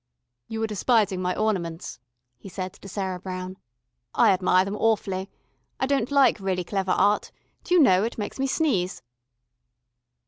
"You are despising my ornaments," he said to Sarah Brown. "I admire them awfully. I don't like really clever art. Do you know, it makes me sneeze."